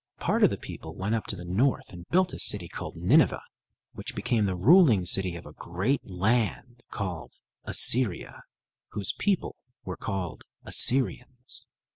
Part of the people went up to the north and built a city called Nineveh, which became the ruling city of a great land called Assyria, whose people were called Assyrians.